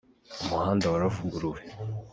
Umuhanda waravuguruwe.